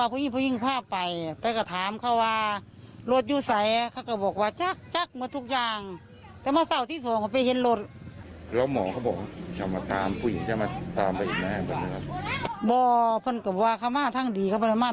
ขอโทษนะเขาเคยยุ่งเกี่ยวกับอย่างเศรษฐศิลป์หรืออะไรแบบรู้ว่ามีอาการแบบว่าทำงานมาก